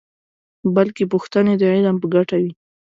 بلکې پوښتنې د علم په ګټه وي.